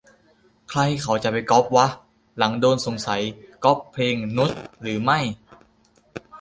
ใครเขาจะไปก๊อปวะ หลังโดนสงสัย ก๊อปเพลงนุชหรือไม่